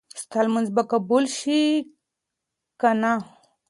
ستا لمونځ به قبول شي که نه؟